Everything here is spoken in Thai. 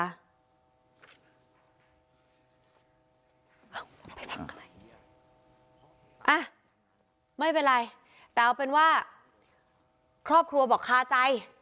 อ่ะไม่เป็นไรแต่เอาเป็นว่าครอบครัวบอกคาใจ